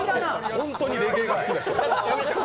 ホントにレゲエが好きな人？